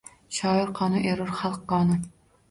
Shoir qoni erur xalq qoni…